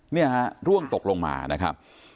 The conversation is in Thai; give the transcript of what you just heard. เนี่ยฮะร่วงตกลงมานะครับ